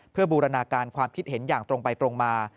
เพื่อบูรณาการความคิดเห็นอย่างตรงไปตรงมา